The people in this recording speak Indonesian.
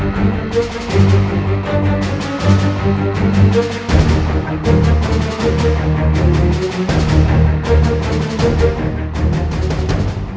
dan mencari bukti